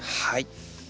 はい。